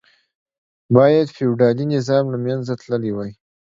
باید فیوډالي نظام له منځه تللی وای.